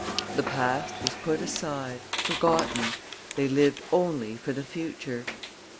The past was put aside, forgotten; they lived only for the future.